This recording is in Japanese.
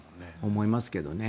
思いますけどね。